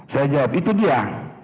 saya jawab itu dia